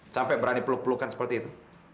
sampai berani peluk pelukan seperti itu